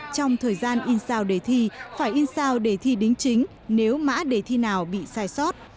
trong thời gian in sao đề thi phải in sao để thi đính chính nếu mã đề thi nào bị sai sót